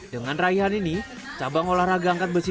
dengan raihan ini cabang olahraga angkat besi